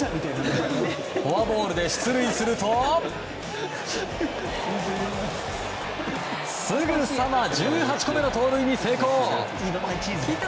フォアボールで出塁するとすぐさま１８個目の盗塁に成功。